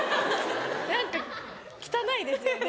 何か汚いですよね。